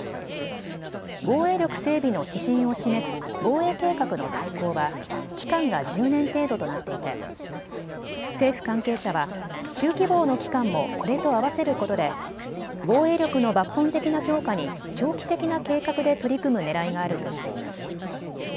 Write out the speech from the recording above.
防衛力整備の指針を示す防衛計画の大綱は期間が１０年程度となっていて、政府関係者は中期防の期間もこれと合わせることで防衛力の抜本的な強化に長期的な計画で取り組むねらいがあるとしています。